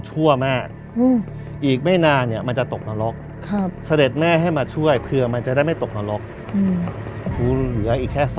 แม่อีกไม่นานเนี่ยมันจะตกนรกเสด็จแม่ให้มาช่วยเผื่อมันจะได้ไม่ตกนรกคุณเหลืออีกแค่